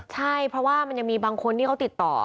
ใช่เพราะว่ามันยังมีบางคนที่เขาติดต่อ